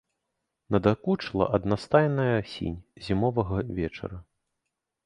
Надакучыла аднастайная сінь зімовага вечара.